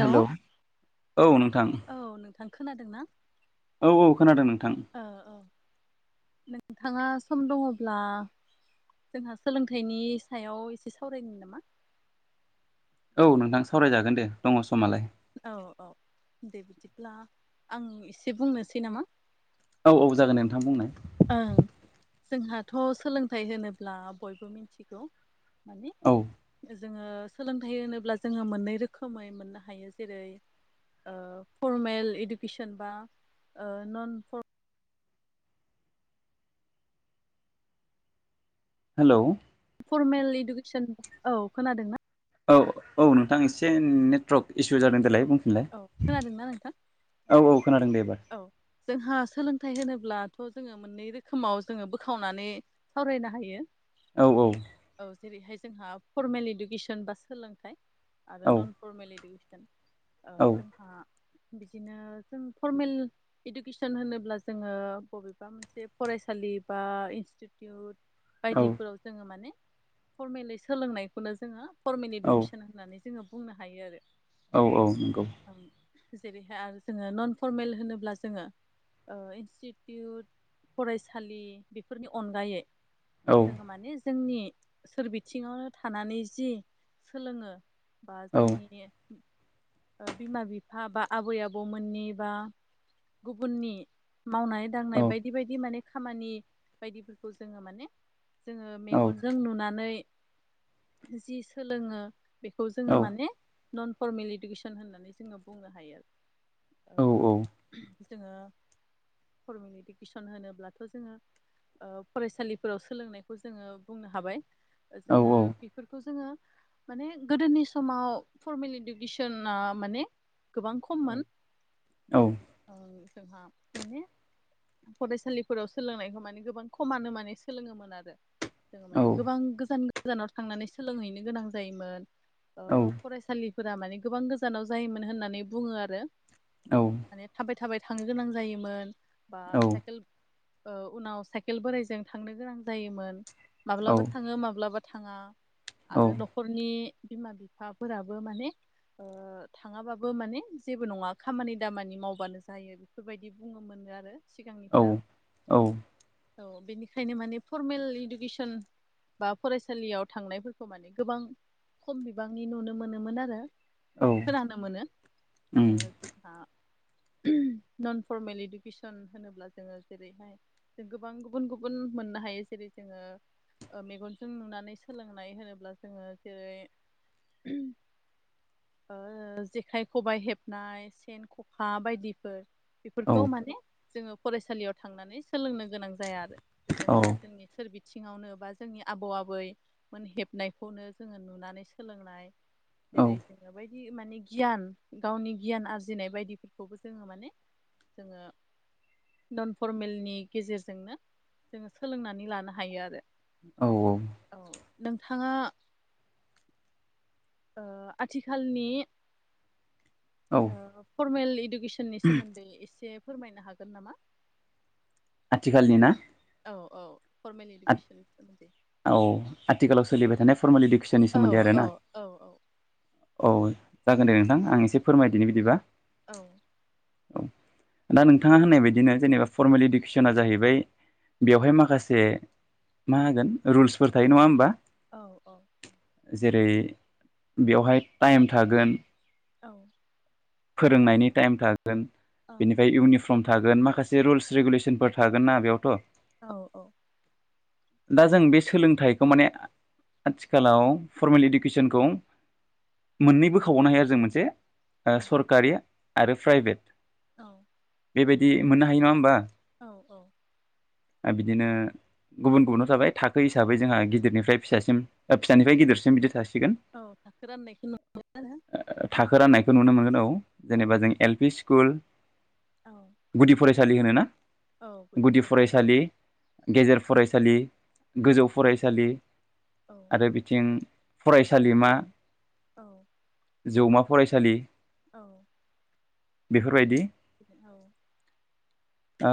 हेल औ नोंथां नोंथां खोनादों ना औ औ खोनादों नोंथां नोंथाङा सम दङब्ला जोंहा सोलोंथाइनि सायाव एसे सावरायनि नामा औ नोंथां सावरायजागोन दे दङ समालाय औ औ दे बिदिब्ला आं एसे बुंनोसै नामा औ औ जागोन नोंथां बुंनाय ओं जोंहाथ सोलोंथाइ होनोब्ला बयबो मिथिगौ मानि? औ जोङो सोलोंथाइ होनोब्ला जोङो मोननै रोखोमै मोननो हायो जेरै ओ फरमेल इडुकेसन बा ओ नन फर हेलौ फरमेल इडुकेसन औ खोनादों ना? औ औ नोंथां एसे नेटवर्क इसु जादों देलाय बुं। औ होनलाय खोनादोंना नोंथां? औ औ खोनादों दे एबार औ जोंहा सोलोंथाइ होनोब्लाथ जोङो मोननै रोखोमाव जोङो बोखावनानै सावरायनो हायो। औ औ औ जेरैहाय जोंहा फरमेल इडुकेसन बा सोलोंथाइ आरो औ नन फरमेल इदु [inaudible] अ औ जोंहा बिदिनो जों फरमेल इडुकेसन होनोब्ला जोङो बबेबा मोनसे फरायसालि बा इनस्टिटिउट औ बायदिफोराव जोङो माने फरमलि सोलोंनायखौनो जोङो फरमेल औ इडुकेसन होननानै जोङो बुंनो हायो आरो। औ औ नंगौ। जेरैहाय आरो जोङो नन फरमेल होनोब्ला जोङो ओ इन्स्टिटिउट फरायसालि बेफोरनि अनगायै औ जों मानि जोंनि सोरबिथिङावनो थानानै जि सोलोङो बा औ जोंनि ओ बिमा बिफा बा आबै आबौमोननि बा गुबुननि मावनाय औ दांनाय बायदि बायदि माने खामानि बायदिफोरखौ जोङो माने जोङो औ मेगनजों नुनानै जि सोलोङो बेखौ जोङो औ माने नन फरमेल इडुकेसन होननानै जोङो बुंनो हायो आरो। औ जोङो फरमेल इदुकेसन होनोब्लाथ' जोङो फरायसालिफोराव सोलोंनायखौ जोङो बुंनो हाबाय। औ जोङो उम बेफोरखौ जोङो माने गोदोनि समाव फरमेल इदुकेसना माने गोबां खममोन जोंहा माने फरायसालिफोराव सोलोंनायखौ माने गोबां खमानो माने सोलोङोमोन आरो जोङो औ माने गोबां गोजान गोजानाव थांनानै सोलोंहैनो गोनां जायोमोन। औ फरायसालिफोरा माने गोबां गोजानाव जायोमोन होननानै बुङो आरो। औ माने थाबाय थाबाय थांनो गोनां जायोमोन बा सायकेल ओ उनाव साइकेल बोराइजों थांनो गोनां जायोमोन‌। माब्लाबा थाङो माब्लाबा थाङा आरो न'खरनि बिमा बिफाफोराबो माने ओ थाङाबाबो माने जेबो नङा खामानि दामानि मावबानो जायो बेफोरबायदि बुङो मोननो आरो औ सिगांनिफ्रा औ औ बेनिखायनो माने फरमेल इडुकेसन बा फरायसालियाव थांनायफोरखौ माने गोबां खम बिबांनि नुनो मोनोमोन आरो। बा खोनानो मोनो ओ। जोंहा नन फरमेल इडुकेसन होनोब्ला जोङो जेरैहाय जों गोबां गुबुन गुबुन मोननो हायो जेरै जोङो मेगनजों नुनानै सोलोंनाय होनोब्ला जोङो जेरै जेखाइ खबाइ हेबनाय सेन ख'खा बायदिफोर इफोखौ मानि जोङो फरायसालियाव थांनानै सोलोंनो गोनां जाया आरो जोङो जोंनि सोरबि आथिङावनो बा जोंनि आबौ आबै मोन हेबनायखौनो जोङो नुनानै सोलोंनाय जेरै जोङो बायदि माने गियान गावनि गियान आरज फुजिनाय बायदिफोरखौबो जोङो माने जोङो नन फरमेलनि गेजेरजोंनो जोङो सोलोंनानै लानो हायो आरो औ औ। नोंथाङा। ओ आथिखालनि औ। फर्मेल इदु इुसन [unintelligible] नि सोमोन्दै एसे फोरमायनो हागोन। नामा। आथिखालनि ना। औ औ। फरमेल इडुकेसननि सोमोन्दै औ आथिखालाव सोलिबाय थानाय। फर्मेल इडुकेसननि औ सोमोन्दै औ आरोना। औ औ औ जागोन दे नोंथां आं एसे फोरमायदिनि बिदिबा। औ। औ दा नोंथाङा होननाय बायदिनो जेनेबा फरमेल इडुकेसना जाहैबाय बेवहाय माखासे। मा होगोन रुल्सफोर थायो नङा होमबा। औ औ। जेरै बेवहाय टाइम थागोन। औ। फोरोंनायनि टाइम थागोन। औ बेनिफ्राय इउनिफर्म फम थागोन माखासे बे रुल्स औ रेगुलेनफोर थागोन ना बेयाव थ'। औ औ। दा जों बे सोलोंथाइखौ माने आथिखालाव फरमेल इडुकेसनखौ मोननै बोखावबावनो हायो आरो जों मोनसे। ओ सरकारि आरो प्राइभेट औ। बेबायदि मोननो हायो नङा होनोमबा औ औ। आ बिदिनो गुबुन गुबुनाव थाबाय थाखो हिसाबै जोंहा गिदिरनिफ्राय फिसासिम फिसानिफ्राय गिदिरसिम बिदि थासि औ थाखो राननायखौ नुयो आरो बेखौ नुनो मोनगोन औ जेनेबा जों एल पि सि स्कुल औ गुदि फरायसा फयसालि होनो ना गुदि फरायसालि गेजेर फरायसालि गोजौ फरायसालि औ आरो बिथिं फरायसालिमा औ जौमा फरायसालि औ बेफोरबायदि औ ओ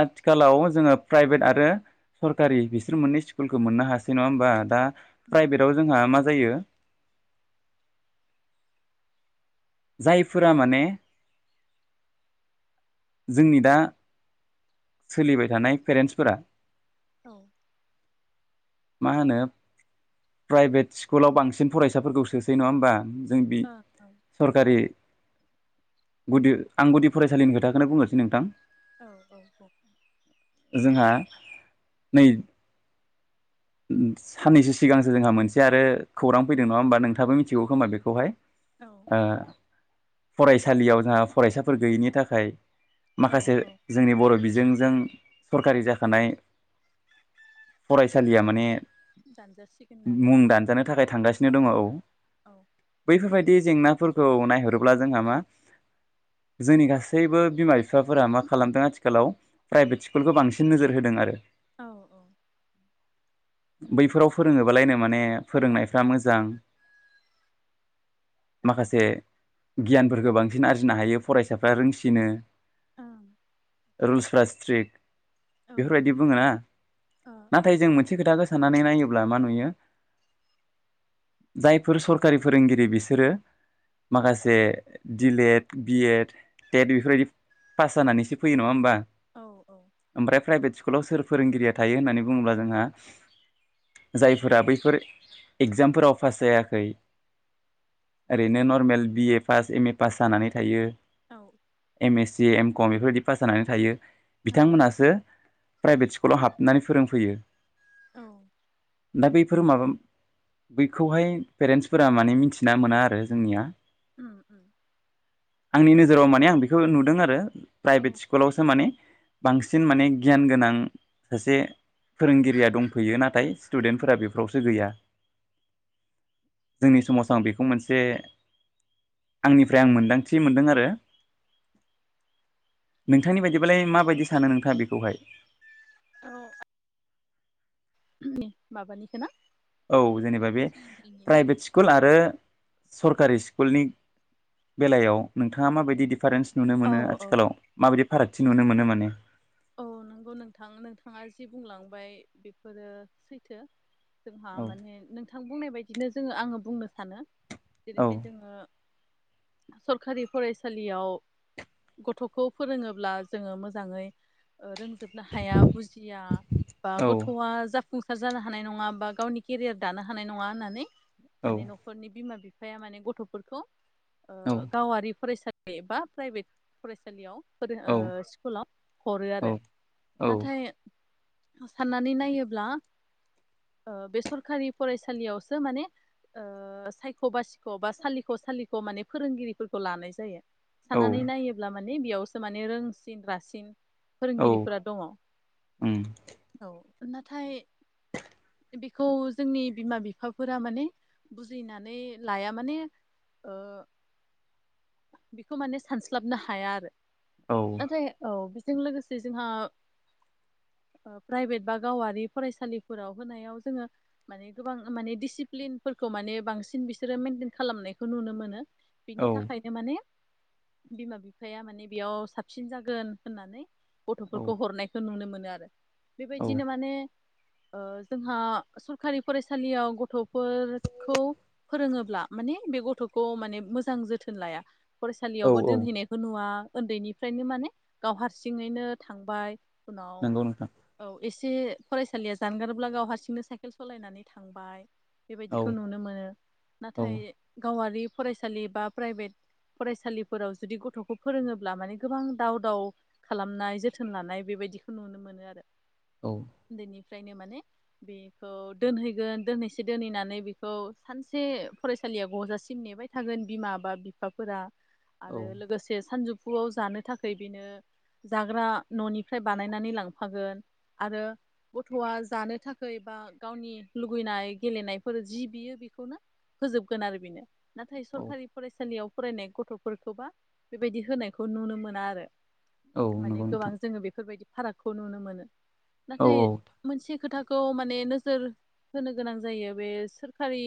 आथिखालाव जोङो प्राइभेट आरो सरकारि बिसोर मोननै स्कुलखौ मोननो हासै नङा होमबा दा उम प्राइभेटाव जोंहा मा जायो जायफोरा माने जोंनि दा सोलिबाय थानाय पेरेन्टसफोरा औ मा होनो प्राइभेट स्कुलाव बांसिन फरायसाफोरखौ सोसै नङा होमबा जों बे औ औ सरखारि गुदि आं गुदि फरायसालिनि खोथाखौनो बुंनोसै नोंथां औ औ औ जोंहा नै साननैसो सिगांसो जोंहा मोनसे आरो खौरां फैदों नङा होमबा नोंथाबो मिथिगौ खोमा बेखौहाय औ ओ फरायसालियाव जोंहा फरायसाफोर गैयैनि थाखाय औ माखासे औ जोंनि बर' बिजोंजों सरखारि जाखानाय सालिया माने दानजासिगोन होननानै मुं ना दानजानो थाखाय थांगासिनो दङ औ औ बैफोरबायदि जेंना फोरखौ नायहरोब्ला जोंहा मा जोंनि गासैबो बिमा बिफाफोरा मा खालामदों आथिखालाव प्राइभेट स्कुलखौ बांसिन नोजोर होदों आरो औ औ नंगौ बैफोराव फोरोङोबालायनो माने फोरोंनायफ्रा मोजां औ माखासे गियानफोरखौ बांसिन आरजिनो हायो फरायसाफ्रा रोंसिनो [unintelligible] रुलसफोरा स्ट्रिक्ट औ ओ बेफोरबायदि बुङोना ओं जों मोनसे खोथाखौ साननानै नायोब्ला मा नुयो जायफोर सरखारि फोरोंगिरि बिसोरो माखासे दिलेद बि एड टेट बेफोरबायदि पास जानानैसो फैयो नङा होमबा औ औ ओमफ्राय प्राइभेट स्कुल स्कुलाव सोर फोरोंगिरिया थायो होननानै बुङोब्ला जोंहा जायफोरा बैफोर एगजामफोराव पास जायाखै औ ओरैनो normal B A pass M A pass जानानै थायो औ एमेस जे एम कम बेफोरबायदि पास जानानै थायो ओं बिथांमोनासो प्राइभेट स्कुलाव हाबनानै फोरों फैयो औ दा बैफोर माबा बैखौहाय पेरेन्टसफोरा माने मिथिना मोना आरो जोंनिया उम आंनि उम नोजोराव माने आं बेखौ नुदों आरो आरो औ प्राइभेट स्कुलावसो माने बांसिन माने गियान गोनां सासे फोरोंगिरिया दंफैयो नाथाय स्टुडेन्टफोरा बेफोरावसो गैया जोंनि समाजाव आं बेखौ मोनसे आंनिफ्राय आं मोनदांथि मोनदों आरो नोंथांनि बायदिबालाय माबायदि सानो नोंथाङा बेखौ खौहाय माबानिखौ ना औ जेनेबा बे सोलोंथाइनि ना? प्राइभेट स्कुल आरो सरकारि स्कुलनि बेलायाव नोंथाङा माबायदि डिफारेन्स नुनो औ मोनो औ आथिखालाव माबायदि फारागथि नुनो मोनो माने औ नंगौ नोंथां नोंथाङा जि बुंलांबाय बेफोरो सैथो जोंहा औ माने नोंथां बुंनाय बायदि बिदिनो जोङो आङो बुंनो सानो औ जेरैहाय जोङो सरखारि फरायसालियाव गथ'खौ फोरोङोब्ला जोङो मोजाङै रोंजोबनो हाया बुजिया बा औ गथ'आ जा फुंसार जानो हानाय नङा बा गावनि केरियार दानो हानाय नङा होननानै औ माने न'खरनि बिमा बिफा [unintelligible] माने गथ'फोरखौ औ ओ गावारि फरायसालि एबा प्राइभेट फरायसालियाव औ [unintelligible] स्कुलाव हरो आरो औ नाथाय साननानै नायोब्ला बे सरखारि फरायसालियावसो माने सायख' बासिख' बा सालिख' सालिख' माने फोरोंगिरिफोरखौ लानाय जायो। औ साननानै नायोब्ला माने बेयावसो माने रोंसिन रासिन [unintelligible] औ फोरोंगिरिफोरा दङ उम औ। नाथाय बेखौ जोंनि बिमा बिफाफोरा माने बुजिनानै लाया माने ओ बेखौ माने सानस्लाबनो हाया आरो। औ नाथाय औ जों लोगोसे जोंहा प्राइभेट बा गावारि फरायसालिफोराव होनायाव जोङो माने गोबां माने डिसिप्लिनफोरखौ माने बांसिन बिसोरो मेनटेन खालामनायखौ नुनो मोनो। बिनि औ। थाखायनो माने बिमा बिफाया माने बेयाव साबसिन जागोन होननानै गथ' औ फोरखौ हरनायखौ नुनो मोनो। [unintelligible] औ बेबायदिनो माने ओजोंहा सरखारि फरायसालियाव गथ'फोरखौ फोरोङोब्ला माने बे गथ'खौ माने मोजां जोथोन लाया औ फरायसालियावबो औ दोनहैनायखौ नुवा उन्दैनिफ्रायनो माने गाव हारसिङैनो थांबाय उनाव नंगौ नोंथां औ एसे फरायसालिया जानगारब्ला गाव हारसिंनो साइकेल सालायनानै थांबाय औ बेबायदिखौ नुनो मोनो औ नाथाय गावारि फरायसालि बा प्राइभेट फरायसालिफोराव जुदि गथ'खौ फोरोङोब्ला माने गोबां दाव- दाव खालामनाय जोथोन लानाय बेबायदिखौ नुनो मोनो आरो। औ उन्दैनि उन्दैनिफ्रायनो माने बेखौ दोनहैगोन दोनहैसे दोनहैनानै बेखौ सानसे फरायसालिया ग'जासिम नेबाय थागोन बिमा बा बिफाफोरा औ आरो लोगोसे [unintelligible] [unintelligible] जानो थाखाय बेनो जाग्रा न'निफ्राय बानायनानै लांफागोन आरो गथ'आ जानो थाखायै बा गावनि लुुबैनाय गेलेनायफोर जि बियो बेखौनो होजोबगोन आरो बेनो। नाथाय सरकारि फरायसालियाव फरायनाय गथ'फोरखौबा बेबायदि होनायखौ नुनो मोना आरो। औ माने नंगौ गोबां नोंथां जोङो बेफोरबायदि फारागखौ नुनो मोनो। औ नाथाय मोनसे खोथा खौ माने नोजोर होनो गोनां जायो बे सोरखारि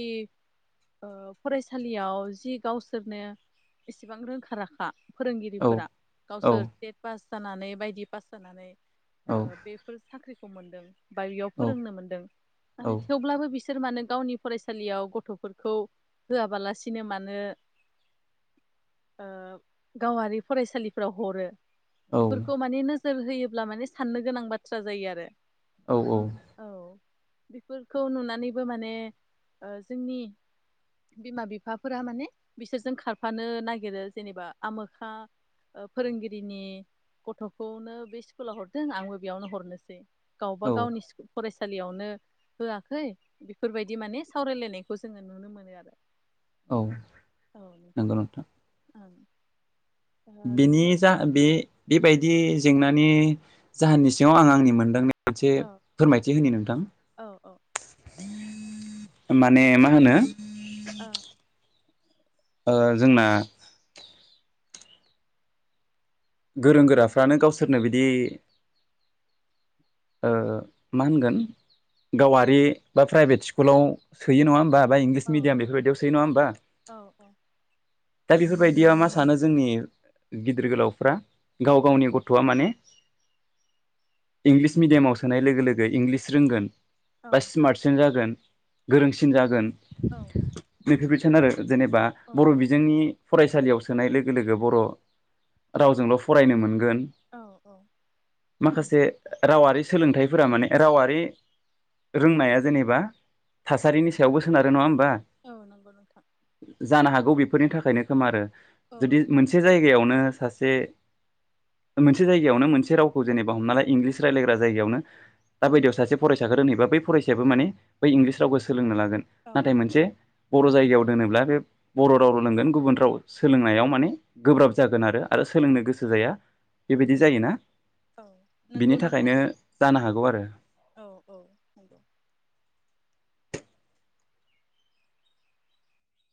ओ फरायसालियाव जि गावसोरनो इसेबां रोंखा राखा औ फोरोंगिरिफोरा औ गावसोर टेट पास जानानै बायदि पास जानानै औ बेफोर साख्रि मोनदों। बा बेयाव फोरोंनो मोनदों। नाथाय औ थेवब्लाबो बिसोर इसोर मानो गावनि फरायसालियाव गथ'फोरखौ होआबालासिनो मानो [inaudible] ओ गावारि फरायसालिफोराव हरो। बेफोरखौ औ माने नो जोर होयोब्ला माने साननो गोनां बाथ्रा जायो आरो। ओम औ। बेफोरखौ नुनानैबो माने ओ जोंनि [inaudible] बिमा बिफाफोरा माने बिसोरजों खारफानो नागिरो जेनेबा आमोखा ओ फोरोंगिरिनि गथ'खौनो बे स्कुलाव हरदों आंबो बेयावनो हरनोसै। गावबा गावनि औ स- फराय सालियावनो होआखै बेफोरबायदि माने सावरायलायनायखौ जोङो नुनो मोनो आरो। औ [inaudible] नोंगौ नोंथां। ओं ओ बिनि बिदि जा- बे ओ बेबायदि जेंना नि जाहोनि सिङाव आंनि मोनदांनाय मोनसे औ फोरमायथि होनि नोंथां। औ औ [inaudible] माने मा होनो। ओं। ओ जोंना गोरों गोराफ्रानो गावसोरनो बिदि [inaudible] ओ मा होनगोन गावारि बा प्राइभेट स्कुलाव सोयो नङा होमबा? बा इंलिस औ मिडियाम औ बेफोरबायदियावसै नङा होमबा? औ दा बेफोरबायदिया मा सानो जोंनि गिदिर गोलाव फ्रा। गाव औ गावनि गथ'आ माने [inaudible] इंलिस मिडियामाव सोनाय लोगो लोगो इंलिस रोंगोन। औ बा सिमार्टसिन‌ जागोन। गोरोंसिन जागोन। औ। नै बेफोरबायदि सानो आरो। जेनेबा बर' बिजोंनि फरायसालियाव सोनाय लोगो लोगो बर' रावजोंल' फरायनो मोनगोन। औ औ औ माखासे नंगौ रावारि सोलोंथाइ फोरा माने रावारि रोंनाया जेनेबा थासारिनि सायावबो सोनारो नङा होन औ नोंगौ नोंथां। जानो हागौ बेफोरनि थाखायनो खोमा आरो। औ जुदि नंगौ मोनसे जायगायावनो सासे जे मोनसे जायगायावनो मोनसे रावखौ जेनेबा हमना ला इंलिस रायज्लायग्रा जायगायावनो। दा औ बायदियाव सासे फरायसा रोननैबा बै फरायसायाबो माने बै इंलिस रावखौ सोलोंनो ला गोन औ नाथाय नंगौ मोनसे बर' जाय याव दोनोब्ला बे बर' राव लोंगोन गुबुन राव सोलोंनायाव माने गोब्राब जागोन आरो आरो सोलोंनो गोसो जाया बेबायदि जायोना औ नंगौ बिनि नोंथां थाखायनो जानो हागौ आरो ओ औ औ नंगौ